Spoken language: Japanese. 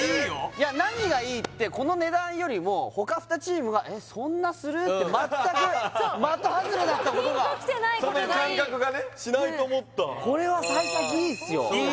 いや何がいいってこの値段よりも他２チームが「えっそんなする？」って全く的外れだったことがそうピンときてないことがいいしないと思ったこれはさい先いいっすよ